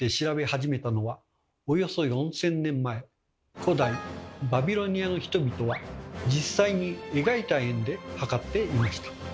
古代バビロニアの人々は実際に描いた円で測っていました。